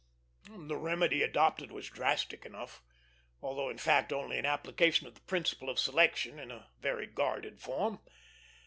The remedy adopted was drastic enough, although in fact only an application of the principle of selection in a very guarded form.